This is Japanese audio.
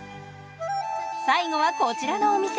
最後はこちらのお店。